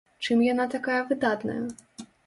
Чым яна такая выдатная?